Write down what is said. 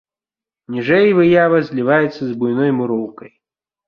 Ніжэй выява зліваецца з буйной муроўкай.